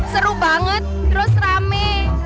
seru banget terus rame